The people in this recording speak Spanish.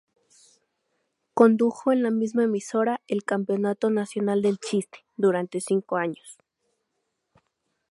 Condujo en la misma emisora "El Campeonato Nacional del Chiste" durante cinco años.